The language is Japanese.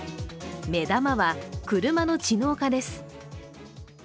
目玉は車の知能化です。